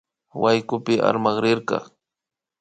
Waykupi armakrirka